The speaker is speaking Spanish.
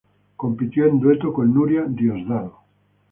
Compitió en dueto con Nuria Diosdado.